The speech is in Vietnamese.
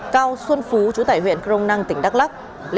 cao xuân phú chủ tải huyện crong năng tỉnh đắk lắk